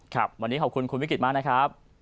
ครับวันนี้ขอบคุณคุณวิกฤตมากนะครับ